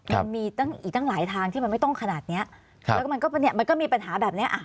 มันมีอีกตั้งหลายทางที่มันไม่ต้องขนาดนี้แล้วมันก็มีปัญหาแบบนี้